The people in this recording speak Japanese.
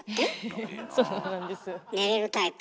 寝れるタイプ？